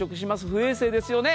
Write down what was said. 不衛生ですよね。